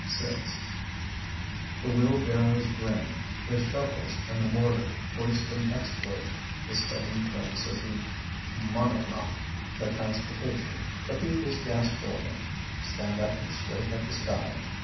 The wheelbarrows grin, the shovels and the mortar hoist an exploit. The stone shanks of the Monadnock, the Transportation, the People's Gas Building, stand up and scrape at the sky.